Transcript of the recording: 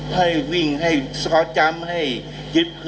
ไม่มีอะไรเหรอ